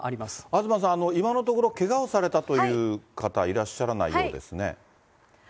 東さん、今のところ、けがをされたという方、いらっしゃらないようですね。